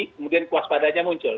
kemudian waspadanya muncul